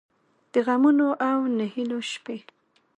د غمـونـو او نهـيليو شـپې